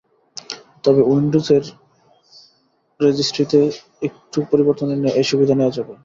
তবে উইন্ডোজের রেজিস্ট্রিতে একটু পরিবর্তন এনে এ সুবিধা নেওয়া যাবে।